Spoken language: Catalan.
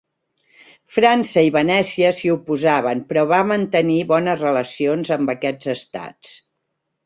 França i Venècia s'hi oposaven però va mantenir bones relacions amb aquests estats.